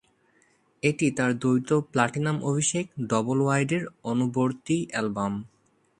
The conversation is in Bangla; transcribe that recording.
এটি তার দ্বৈত-প্লাটিনাম অভিষেক "ডবল ওয়াইড" এর অনুবর্তী অ্যালবাম।